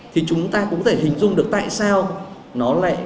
thì chúng ta cũng có thể hình dung được tại sao nó lại